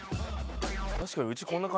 確かに。